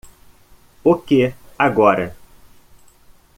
O que agora?